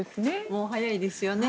もう早いですよね。